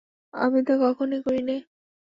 আমি তা কখনোই করি নে।